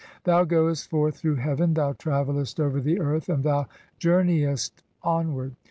Thou goest forth through heaven, thou travellest "over the earth, and thou journeyest onward.